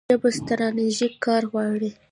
ژبه ستراتیژیک کار غواړي.